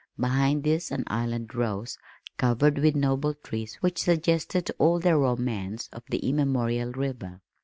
Behind this an island rose, covered with noble trees which suggested all the romance of the immemorial river.